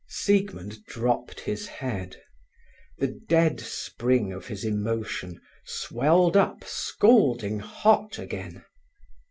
Siegmund dropped his head. The dead spring of his emotion swelled up scalding hot again.